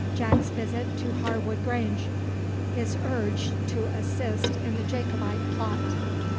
JACK'S VISIT TO HARWOOD GRANGE IS URGED TO ASSIST IN THE JACOBITE PLOT.